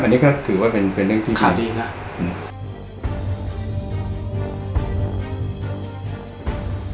อันนี้ก็ถือว่าเป็นเป็นเรื่องที่ดีค่ะดีน่ะอืม